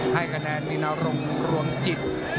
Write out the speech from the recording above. ให้กระแนนนินาลงรวมจิต